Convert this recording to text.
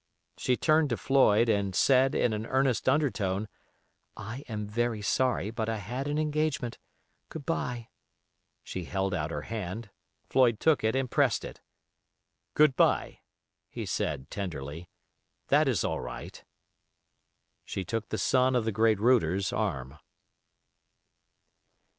She turned to Floyd, and said, in an earnest undertone, "I am very sorry; but I had an engagement. Good by." She held out her hand. Floyd took it and pressed it. "Good by," he said, tenderly. "That is all right." She took the son of the great Router's arm.